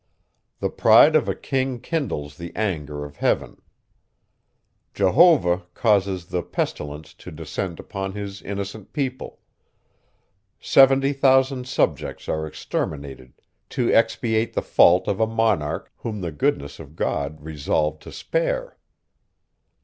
The pride of a king kindles the anger of heaven; Jehovah causes the pestilence to descend upon his innocent people; seventy thousand subjects are exterminated to expiate the fault of a monarch, whom the goodness of God resolved to spare.